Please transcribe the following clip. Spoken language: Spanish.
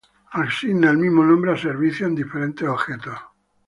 Asigna el mismo nombre a servicios en diferentes objetos.